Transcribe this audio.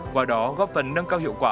qua đó góp phần nâng cao hiệu quả